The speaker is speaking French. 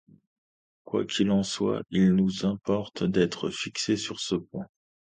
Quoi qu’il en soit, il nous importe d’être fixés sur ce point.